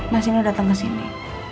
mas nino datang kesini